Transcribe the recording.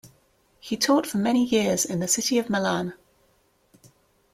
He taught for many years in the city of Milan.